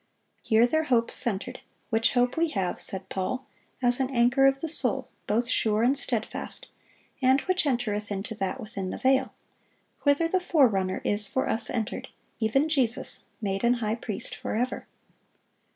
Here their hopes centered, "which hope we have," said Paul, "as an anchor of the soul, both sure and steadfast, and which entereth into that within the veil; whither the forerunner is for us entered, even Jesus, made an high priest forever."